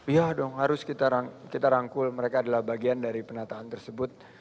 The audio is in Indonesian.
iya dong harus kita rangkul mereka adalah bagian dari penataan tersebut